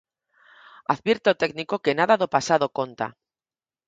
Advirte o técnico que nada do pasado conta.